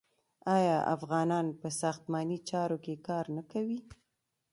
آیا افغانان په ساختماني چارو کې کار نه کوي؟